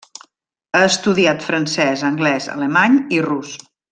Ha estudiat francès, anglès, alemany i rus.